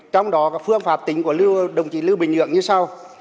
trong đó phương pháp tính của đồng chí lưu bình nhưỡng như sau